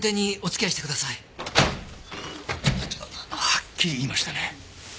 はっきり言いましたね。